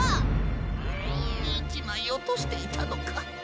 １まいおとしていたのか！？